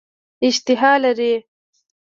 اشتها لري.